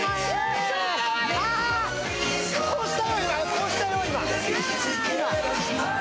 こうしたよ、今。